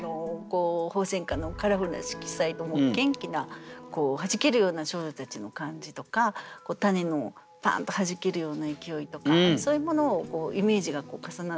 鳳仙花のカラフルな色彩と元気な弾けるような少女たちの感じとか種のパンッと弾けるような勢いとかそういうものをイメージが重なって。